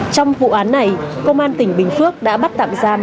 trong vụ án này công an tỉnh bình phước đã bắt tạm giam